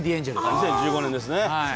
２０１５年ですね。